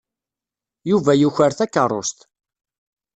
Yuba yuker takeṛṛust.